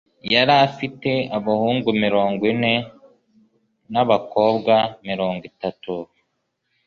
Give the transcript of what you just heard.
yari afite abahungu mirongo ine n'abakobwa mirongo itatu